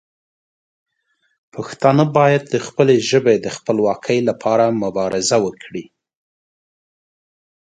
پښتانه باید د خپلې ژبې د خپلواکۍ لپاره مبارزه وکړي.